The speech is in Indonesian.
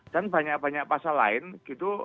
banyak banyak pasal lain gitu